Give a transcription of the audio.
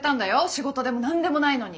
仕事でも何でもないのに。